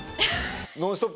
『ノンストップ！』